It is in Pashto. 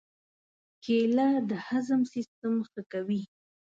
کېله د هضم سیستم ښه کوي.